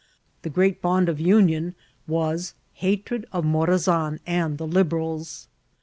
The great bond of union was hatred of Mora* zan and the Liberals.